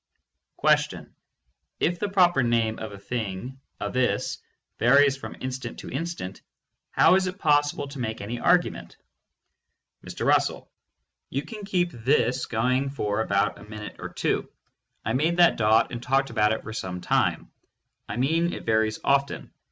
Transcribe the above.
If the proper name of a thing, a "this," varies from in stant to instant, how is it possible to make any argument? Mr. Russell : You can keep "this" going for about a minute or two. I made that dot and talked about it for some little time. I mean it varies often.